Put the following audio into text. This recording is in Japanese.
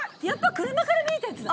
車から見えたやつだ。